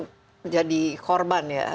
menjadi korban ya